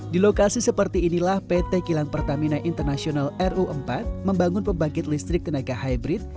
di lokasi seperti inilah pt kilang pertamina international ru empat membangun pembangkit listrik tenaga hybrid